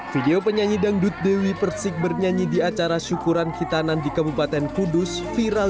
video penyanyi dangdut dewi persik bernyanyi di acara syukuran kita nanti kebupaten kudus viral